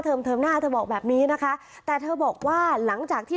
เทอมหน้าเธอบอกแบบนี้นะคะแต่เธอบอกว่าหลังจากที่